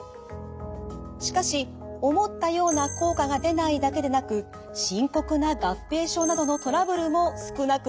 しかし思ったような効果が出ないだけでなく深刻な合併症などのトラブルも少なくありません。